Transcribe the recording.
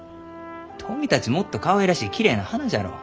どう見たちもっとかわいらしいきれいな花じゃろう？